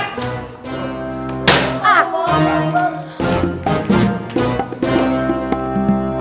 ah apaan ini